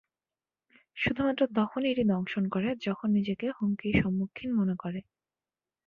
শুধুমাত্র তখনই এটি দংশন করে যখন নিজেকে হুমকির সম্মুখীন মনে করে।